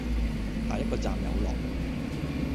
下一個站有落